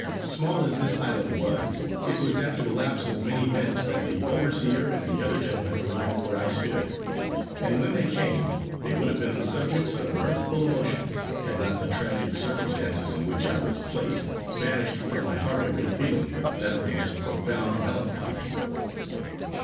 Small as this island was, it was after the lapse of many minutes that the overseer and the other gentlemen arrived where I stood; and when they came, they would have been the subjects of mirthful emotions, had not the tragic circumstances in which I was placed, banished from my heart every feeling but that of the most profound melancholy.